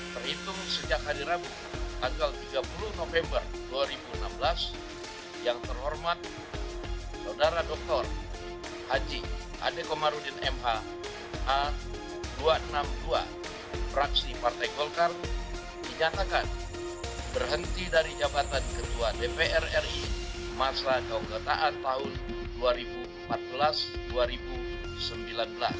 kemudian diperiksa keputusan pemberhentian ini